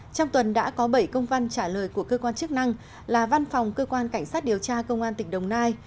trong tuần đã có bảy công văn trả lời của cơ quan chức năng là văn phòng cơ quan cảnh sát điều tra công an tỉnh đồng nai